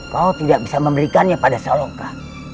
kau tidak bisa memberikannya pada saloka